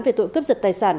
về tội cướp giật tài sản